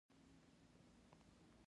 آیا د دوی اغیز په هر ځای کې نه دی؟